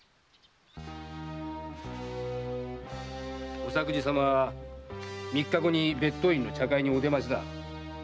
御作事様は三日後に別当院の茶会にお出ましだ。